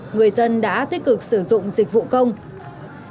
người dân đã tích cực sử dụng dịch vụ công